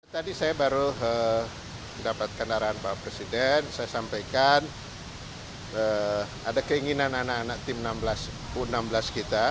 tadi saya baru mendapatkan arahan pak presiden saya sampaikan ada keinginan anak anak tim u enam belas kita